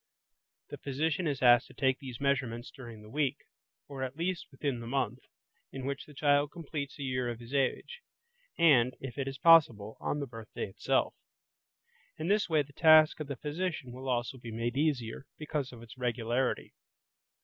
The physician is asked to take these measurements during the week, or at least within the month, in which the child completes a year of his age, and, if it is possible, on the birthday itself. In this way the task of the physician will also be made easier, because of its regularity.